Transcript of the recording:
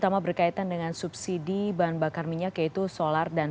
terima kasih sudah wb ason